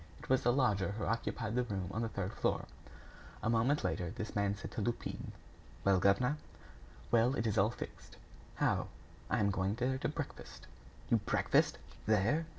It was the lodger who occupied the room on the third floor. A moment later, this man said to Lupin: "Well, governor?" "Well, it is all fixed." "How?" "I am going there to breakfast." "You breakfast there!"